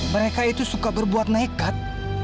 mereka itu suka berbuat nekat